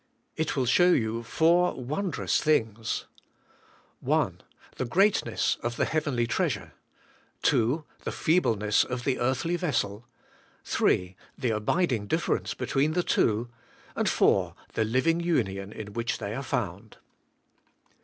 It will show you four wondrous things: 1. The greatness of the heavenly treasure. 2. The feebleness of the earthly vessel. 3. The abiding difference between the two. 4. The living union in which they are found.